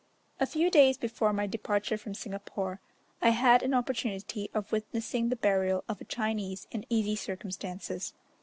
A few days before my departure from Singapore, I had an opportunity of witnessing the burial of a Chinese in easy circumstances.